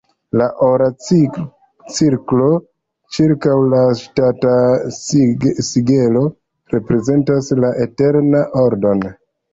La ora cirklo ĉirkaŭ la ŝatata sigelo reprezentas la eternan ordon.